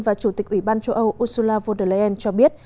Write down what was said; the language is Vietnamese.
và chủ tịch ủy ban châu âu ursula von der leyen cho biết